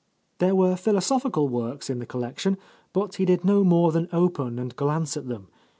There were philosophical works in the collec tion, but he did no more than open and glance at them.